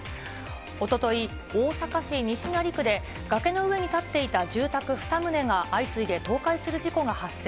おととい、大阪市西成区で、崖の上に建っていた住宅２棟が相次いで倒壊する事故が発生。